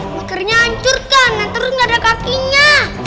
makanya hancur kan nanti gak ada kakinya